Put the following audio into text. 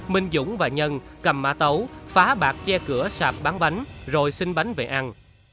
minh dũng và nhân cầm mã tấu phá bạc che cửa sạp bán bánh rồi xin bánh về ăn